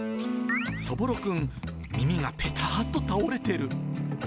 そぼろくん、耳がぺたーっと倒れてる。